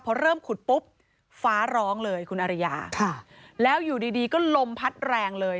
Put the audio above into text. พอเริ่มขุดปุ๊บฟ้าร้องเลยคุณอริยาค่ะแล้วอยู่ดีดีก็ลมพัดแรงเลย